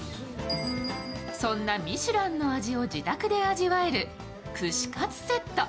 そんなミシュランの味を自宅で味わえる串かつセット。